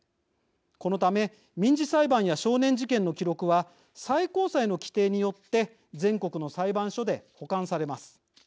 このため、民事裁判や少年事件の記録は最高裁の規定によって全国の裁判所で保管されます。